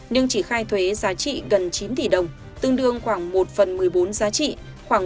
nhưng chỉ khai thuế giá trị gần chín tỷ đồng tương đương khoảng một phần một mươi bốn giá trị khoảng bảy hai mươi sáu